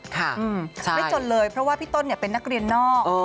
ไม่จนเลยเพราะว่าพี่ต้นเป็นนักเรียนนอก